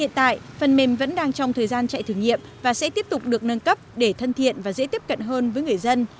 hiện tại phần mềm vẫn đang trong thời gian chạy thử nghiệm và sẽ tiếp tục được nâng cấp để thân thiện và dễ tiếp cận hơn với người dân